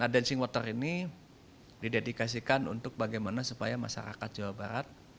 dancing water ini didedikasikan untuk bagaimana supaya masyarakat jawa barat